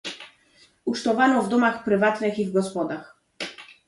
"Ucztowano w domach prywatnych i w gospodach."